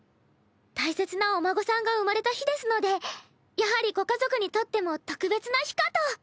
大切なお孫さんが生まれた日ですのでやはりご家族にとっても特別な日かと。